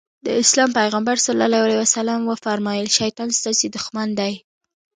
د اسلام پيغمبر ص وفرمايل شيطان ستاسې دښمن دی.